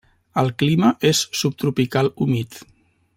El clima és subtropical humit.